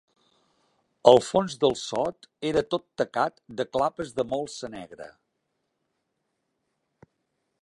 El fons del sot era tot tacat de clapes de molsa negra